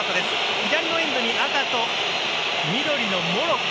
左のエンドに赤と緑のモロッコ。